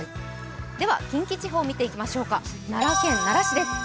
では近畿地方、見ていきましょうか奈良県奈良市です。